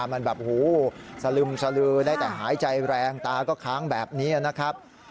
มันแบบสลึมสลือได้แต่หายใจแรงตาก็ค้างแบบนี้นะครับ